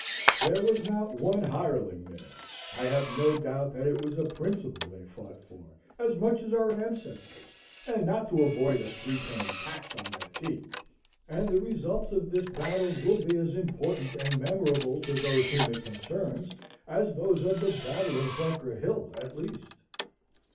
There was not one hireling there. I have no doubt that it was a principle they fought for, as much as our ancestors, and not to avoid a three penny tax on their tea; and the results of this battle will be as important and memorable to those whom it concerns as those of the battle of Bunker Hill, at least.